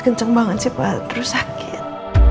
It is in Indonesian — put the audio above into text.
kenceng banget sih pak terus sakit